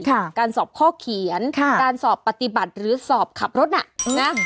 การสอบข้อเขียนค่ะการสอบปฏิบัติหรือสอบขับรถน่ะนะ